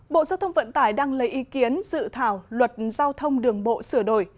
bộ giao thông vận tải đang lấy ý kiến dự thảo luật giao thông đường bộ sửa đổi